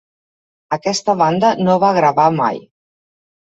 Aquesta banda no va gravar mai.